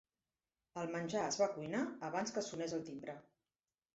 El menjar es va cuinar abans que sonés el timbre.